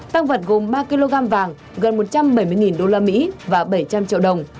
tăng vật gồm ba kg vàng gần một trăm bảy mươi usd và bảy trăm linh triệu đồng